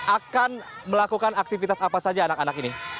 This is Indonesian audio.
akan melakukan aktivitas apa saja anak anak ini